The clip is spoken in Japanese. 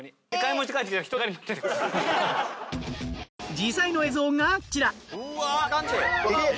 実際の映像がこちら。